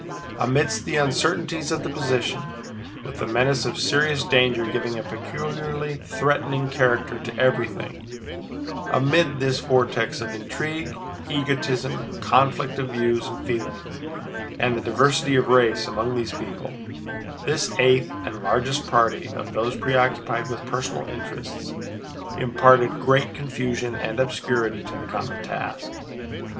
Amid the uncertainties of the position, with the menace of serious danger giving a peculiarly threatening character to everything, amid this vortex of intrigue, egotism, conflict of views and feelings, and the diversity of race among these people—this eighth and largest party of those preoccupied with personal interests imparted great confusion and obscurity to the common task.